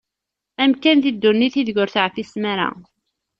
Amkan di ddunit ideg ur teεfisem-ara.